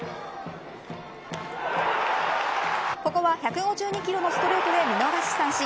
ここは１５２キロのストレートで見逃し三振。